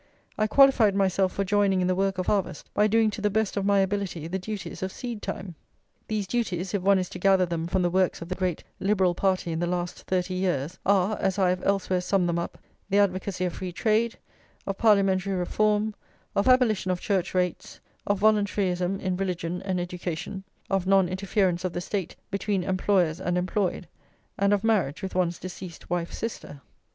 I qualified myself for joining in the work of harvest by doing to the best of my ability the duties of seed time." These duties, if one is to gather them from the works of the great liberal party in the last thirty years, are, as I have elsewhere summed them up, the advocacy of free trade, of parliamentary reform, of abolition of church rates, of voluntaryism in religion and education, of non interference of the State between employers and employed, and of marriage with one's deceased wife's sister.